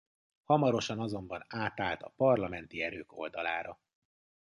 Hamarosan azonban átállt a parlamenti erők oldalára.